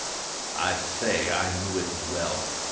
I say I knew it well.